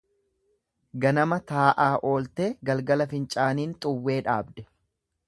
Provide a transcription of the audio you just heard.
Ganama taa'aa ooltee galgala fincaaniin xuwwee dhaabde.